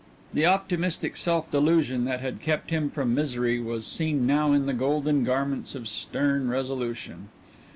The optimistic self delusion that had kept him from misery was seen now in the golden garments of stern resolution.